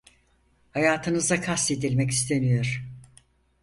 Hayatınıza kastedilmek isteniyor…